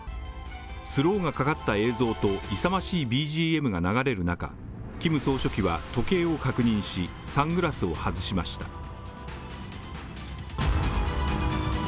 スローがかかった映像と勇ましいＢＧＭが流れる中キム総書記は時計を確認し、サングラスを外しました。